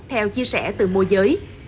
theo chia sẻ từ môi giới